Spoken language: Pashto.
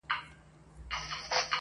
تل دي ښاد وي پر دنیا چي دي دوستان وي-